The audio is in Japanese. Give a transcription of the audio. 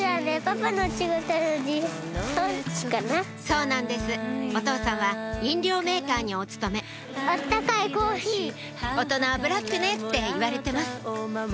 そうなんですお父さんは飲料メーカーにお勤め「大人はブラックね」って言われてます